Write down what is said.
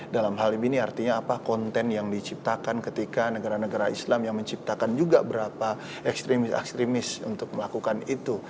dalam hal ini artinya apa konten yang diciptakan ketika negara negara islam yang menciptakan juga berapa ekstremis ekstremis untuk melakukan itu